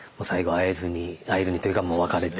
会えずにというかもう別れて。